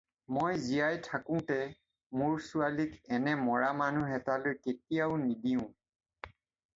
মই জীয়াই থাকোঁতে মোৰ ছোৱালীক এনে মৰা মানুহ এটালৈ কেতিয়াও নিদিওঁ।